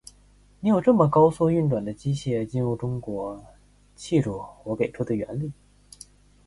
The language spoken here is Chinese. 你有这么高速运转的机械进入中国，记住我给出的原理。